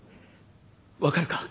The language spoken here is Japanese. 分かるか？